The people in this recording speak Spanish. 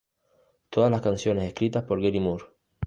Todas las canciones escritas por Gary Moore.